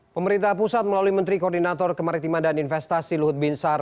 pemerintah pusat melalui menteri koordinator kemaritiman dan investasi luhut binsar